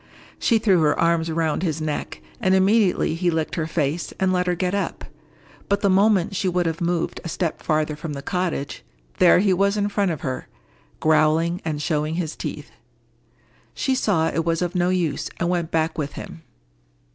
She threw her arms round his neck, and immediately he licked her face, and let her get up. But the moment she would have moved a step farther from the cottage, there he was it front of her, growling, and showing his teeth. She saw it was of no use, and went back with him.